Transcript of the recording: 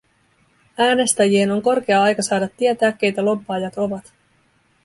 Äänestäjien on korkea aika saada tietää, keitä lobbaajat ovat.